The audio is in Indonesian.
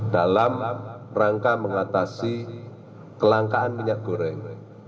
dalam rangka mengatasi kelangkaan minyak goreng